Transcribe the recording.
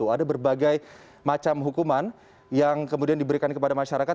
ada berbagai macam hukuman yang kemudian diberikan kepada masyarakat